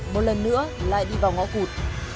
một lần nữa lại đi vào ngõ cụt